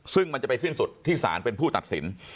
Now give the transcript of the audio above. ซึ่งมันจะไปสิ้นสุดที่ศาลเป็นผู้ตัดสิน